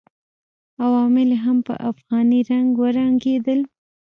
عوامل یې هم په افغاني رنګ ورنګېدل.